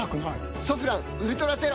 「ソフランウルトラゼロ」